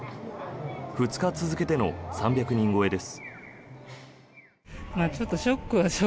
２日続けての３００人超えです。